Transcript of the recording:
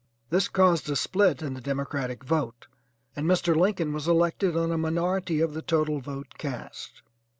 This caused a split in the Democratic vote, and Mr. Lincoln was elected on a minority of the total vote cast.